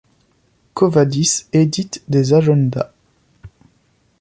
Quo Vadis édite des agendas.